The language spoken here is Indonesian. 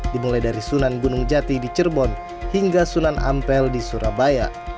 dimulai dari sunan gunung jati di cerbon hingga sunan ampel di surabaya